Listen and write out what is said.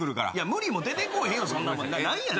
無理も出てこうへんよそんなもん何やねんな。